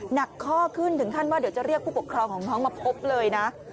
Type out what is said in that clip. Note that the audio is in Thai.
หนักข้อขึ้นถึงขั้นว่าเดี๋ยวจะเรียกผู้ปกครองของน้องมาพบเลยนะ